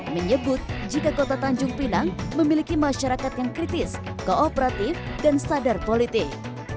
menyebut jika kota tanjung pinang memiliki masyarakat yang kritis kooperatif dan sadar politik